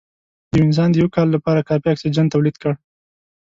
د یو انسان د یو کال لپاره کافي اکسیجن تولید کړ